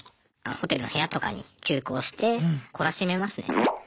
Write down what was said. ホテルの部屋とかに急行して懲らしめますね。